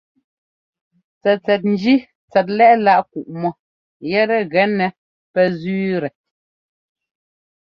Tsɛtsɛt njí tsɛt lɛ́ꞌláꞌ kuꞌmɔ yɛtɛ gɛnɛ pɛ zẅíitɛ.